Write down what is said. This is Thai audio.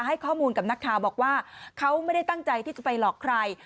ให้ข้อมูลกับนักข่าวบอกว่าเขาไม่ได้ตั้งใจที่จะไปหลอกใคร